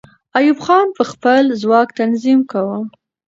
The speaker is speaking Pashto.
ایوب خان به خپل ځواک تنظیم کاوه.